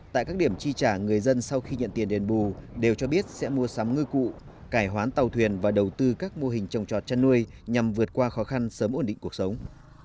tại các điểm chi trả người dân sau khi nhận tiền đền bù đều cho biết sẽ mua sắm ngư cụ cải hoán tàu thuyền và đầu tư các mô hình trồng trọt chăn nuôi nhằm vượt qua khó khăn sớm ổn định cuộc sống